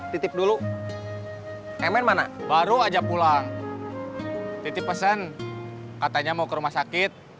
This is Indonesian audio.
titip dulu mn mana baru aja pulang titip pesan katanya mau ke rumah sakit